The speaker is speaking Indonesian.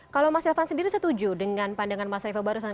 kalau mas elvan sendiri setuju dengan pandangan mas reva barusan